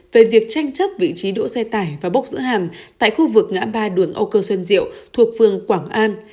về việc tranh chấp vị trí đỗ xe tải và bốc rỡ hàng tại khu vực ngã ba đường âu cơ xuân diệu thuộc phường quảng an